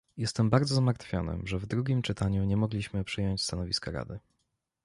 Jestem bardzo zmartwiony, że w drugim czytaniu nie mogliśmy przyjąć stanowiska Rady